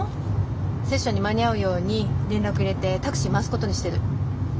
セッションに間に合うように連絡入れてタクシー回すことにしてる。